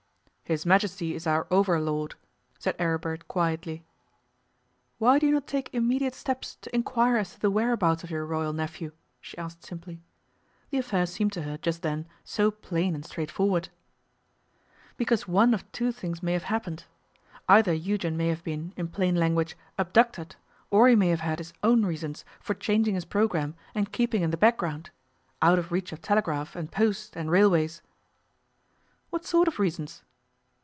'His Majesty is our over lord,' said Aribert quietly. 'Why do you not take immediate steps to inquire as to the whereabouts of your Royal nephew?' she asked simply. The affair seemed to her just then so plain and straightforward. 'Because one of two things may have happened. Either Eugen may have been, in plain language, abducted, or he may have had his own reasons for changing his programme and keeping in the background out of reach of telegraph and post and railways.' 'What sort of reasons?